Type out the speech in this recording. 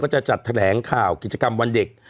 จะจัดแถลงข่าวกิจกรรมวันเด็ก